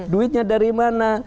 duitnya dari mana